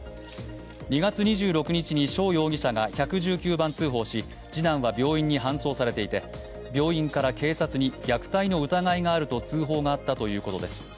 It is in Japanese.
２月２６日に翔容疑者が１１９番通報し、次男は病院に搬送されていて病院から警察に虐待の疑いがあると通報があったということです。